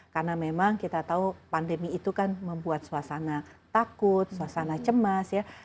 karena memang kita tahu pandemi itu kan membuat suasana takut suasana cemas